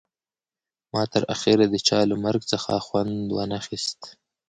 ما تر اخره د چا له مرګ څخه خوند ونه خیست